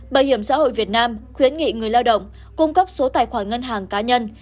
bảo hiểm xã hội việt nam khuyến nghị người lao động cung cấp số tài khoản ngân hàng cá nhân